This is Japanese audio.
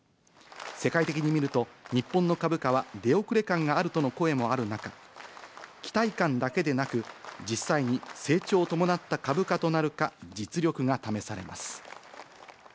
世界的に見ると、日本の株価は出遅れ感があるとの声もある中、期待感だけでなく、実際に成長を伴った株価となるか、実力が試されます。